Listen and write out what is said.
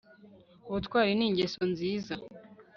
Ubutwari ni ingeso nziza